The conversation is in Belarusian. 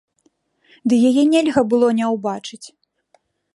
Ды яе нельга было не ўбачыць!